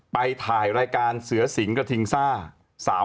ไปถ่ายรายการเสือสิงกระทิงซ่า